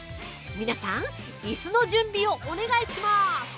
皆さん、椅子の準備をお願いします。